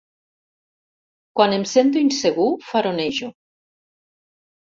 Quan em sento insegur faronejo.